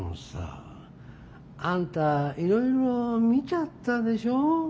あんたいろいろ見ちゃったでしょ？